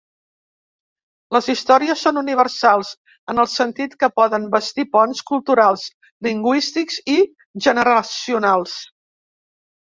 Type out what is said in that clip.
Les històries són universals, en el sentit que poden bastir ponts culturals, lingüístics i generacionals.